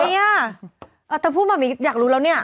ใครอ่ะถ้าพูดแบบนี้อยากรู้แล้วเนี่ย